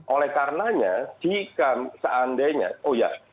oleh karenanya jika seandainya oh ya